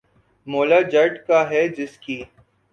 ’مولا جٹ‘ کا ہے جس کی